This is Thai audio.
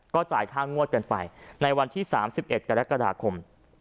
ก็จ่ายค่างวดกันไปในวันที่๓๑กรกฎาคม